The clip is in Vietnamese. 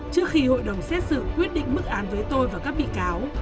trước khi hội đồng xét xử quyết định mức án với tôi và các bị cáo